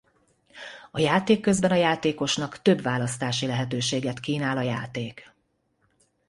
A játék közben a játékosnak több választási lehetőséget kínál a játék.